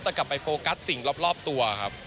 แต่กลับไปโฟกัสสิ่งรอบตัวครับ